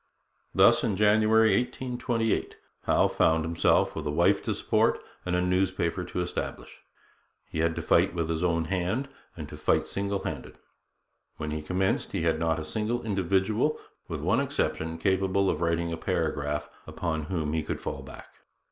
Thus in January 1828 Howe found himself with a wife to support and a newspaper to establish. He had to fight with his own hand, and to fight single handed. When he commenced, he had not 'a single individual, with one exception, capable of writing a paragraph, upon whom he could fall back.'